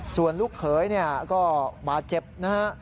ส่วนลูกเขยเนี่ยก็บาดเจ็บนะฮะ